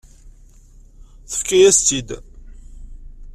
Tefka-yas-tt-id.